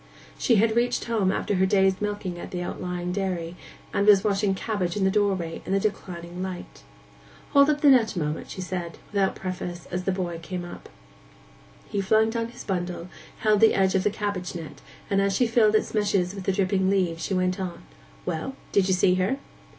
She had reached home after her day's milking at the outlying dairy, and was washing cabbage at the doorway in the declining light. 'Hold up the net a moment,' she said, without preface, as the boy came up. He flung down his bundle, held the edge of the cabbage net, and as she filled its meshes with the dripping leaves she went on, 'Well, did you see her?